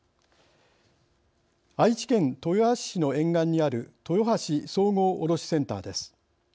愛知県豊橋市の沿岸にある豊橋総合卸センターです。